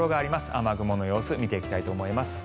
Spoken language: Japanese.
雨雲の様子見ていきたいと思います。